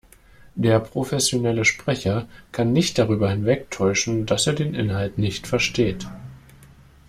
Der professionelle Sprecher kann nicht darüber hinwegtäuschen, dass er den Inhalt nicht versteht.